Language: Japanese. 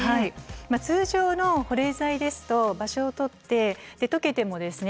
通常の保冷剤ですと場所を取ってで溶けてもですね